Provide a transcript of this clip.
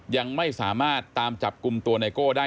ยังไม่สามารถตามจับกลุ่มตัวไนโก้ได้